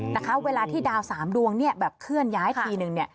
นะคะเวลาที่ดาว๓ดวงเนี่ยแบบเคลื่อนย้ายทีนึงเนี่ย